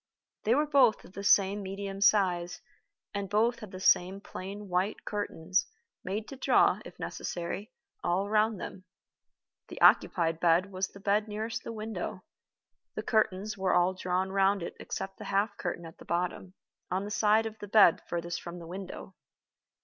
They were both of the same medium size, and both had the same plain white curtains, made to draw, if necessary, all round them. The occupied bed was the bed nearest the window. The curtains were all drawn round it except the half curtain at the bottom, on the side of the bed furthest from the window.